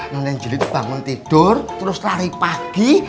non angeli tuh bangun tidur terus lari pagi